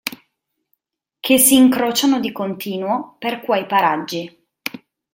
Che si incrociano di continuo per quei paraggi.